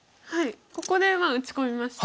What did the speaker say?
ここで打ち込みまして。